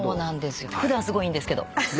普段すごいいいんですけど。